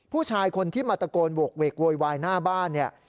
ผู้ชายคนที่มัตกลบวกเวกโวยวายหน้าบ้านนี่